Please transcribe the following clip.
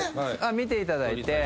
見ていただいて。